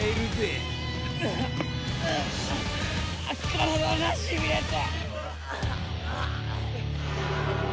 体がしびれて。